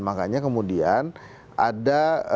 makanya kemudian ada